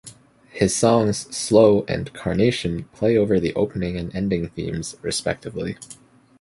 His songs, "Slow" and "Carnation" play over the opening and ending themes, respectively.